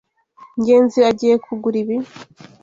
Ngenzi agiye kugura ibi?